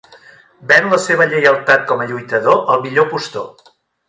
Ven la seva lleialtat com a lluitador al millor postor.